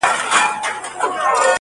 مړۍ غوړي سوې د ښار د فقیرانو؛